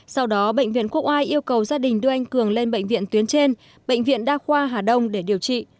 sau đó bệnh viện quốc oai yêu cầu gia đình đưa anh cường lên bệnh viện tuyến trên bệnh viện đa khoa hà đông để điều trị